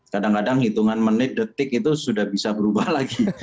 kadang kadang hitungan menit detik itu sudah bisa berubah lagi